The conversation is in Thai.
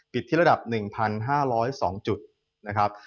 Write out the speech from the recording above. ที่ระดับ๑๕๐๒จุดนะครับ